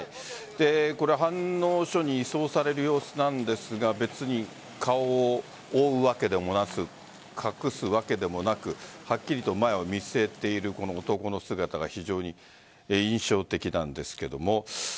飯能署に移送される様子なんですが別に顔を覆うわけでもなく隠すわけでもなくはっきりと前を見据えている男の姿が非常に印象的なんですが。